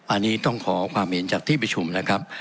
อันนี้ต้องขอความเห็นจากที่ประชุมนะครับ